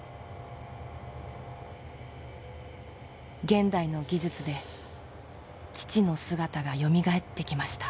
現代の技術で父の姿がよみがえってきました。